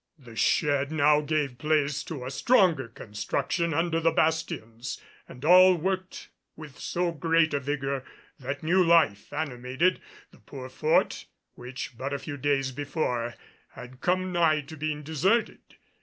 The shed now gave place to a stronger construction under the bastions and all worked with so great a vigor that new life animated the poor fort which but a few days before had come nigh to being deserted.